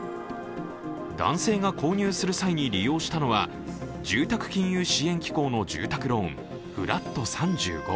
男性が購入する際に利用したのは住宅金融支援機構の住宅ローンフラット３５。